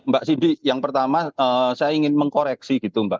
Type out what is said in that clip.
mbak sidi yang pertama saya ingin mengkoreksi gitu mbak